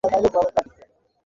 আমাকে এত কেয়ার করো তুমি!